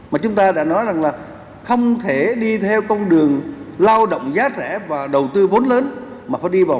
mà chúng ta đã nói rằng là không thể đi theo công nhân kỹ thuật cao